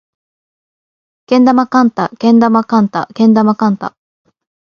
児玉幹太児玉幹太児玉幹太